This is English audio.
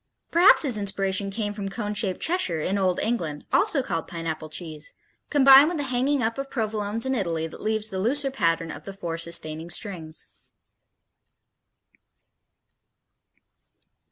Perhaps his inspiration came from cone shaped Cheshire in old England, also called Pineapple cheese, combined with the hanging up of Provolones in Italy that leaves the looser pattern of the four sustaining strings.